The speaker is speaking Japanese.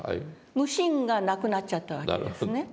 無心がなくなっちゃったわけですね。